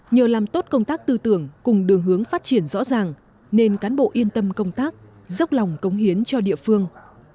nhờ làm tốt công tác tư tưởng cùng đường hướng phát triển rõ ràng nên cán bộ yên tâm công tác dốc lòng cống hiến cho địa phương